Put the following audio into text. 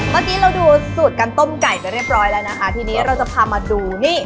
เมื่อกี้เราดูสูตรการต้มไก่ไปเรียบร้อยแล้วนะคะทีนี้เราจะพามาดูนี่